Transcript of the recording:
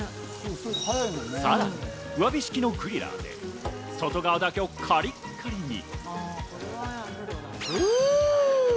さらに上火式のグリラーで外側だけをカリカリに。